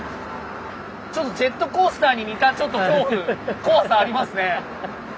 ちょっとジェットコースターに似たちょっと恐怖怖さありますね。